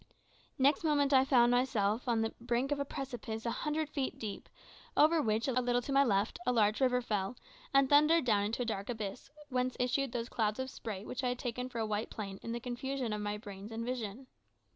Next moment I found myself on the brink of a precipice of a hundred feet deep, over which, a little to my left, a large river fell, and thundered down into a dark abyss, whence issued those clouds of spray which I had taken for a white plain in the confusion of my brain and vision.